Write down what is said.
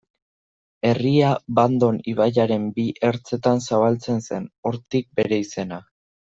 Herria Bandon ibaiaren bi ertzetan zabaltzen zen, hortik bere izena.